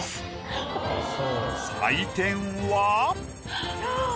採点は。